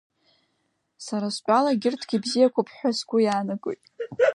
Сара стәала егьырҭгьы бзиақәоуп ҳәа сгәы иаанагоит.